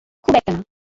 খুব একটা না।